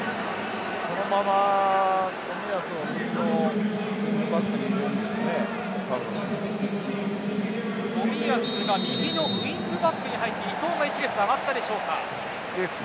そのまま冨安を右のウィングバックに冨安が右のウィングバックに入って伊東が１列上がったでしょうか。